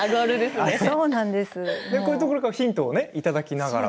こういうところからヒントをいただきながら。